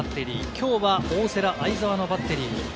きょうは大瀬良、會澤のバッテリー。